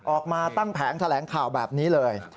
ออกมาตั้งแผงแถลงข่าวแบบนี้เลย